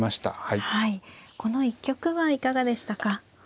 はいこの一局はいかがでしたか。